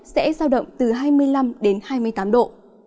sẽ giao động từ hai mươi năm đến hai mươi tám độ